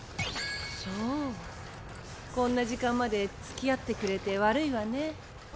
そうこんな時間まで付き合ってくれて悪いわね